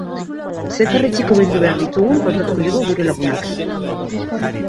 Ze perretxiko bildu behar ditugun kontatuko digu gure lagunak.